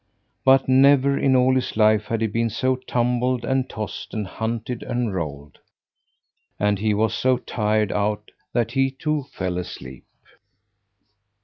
But never in all his life had he been so tumbled and tossed and hunted and rolled! And he was so tired out that he too fell asleep.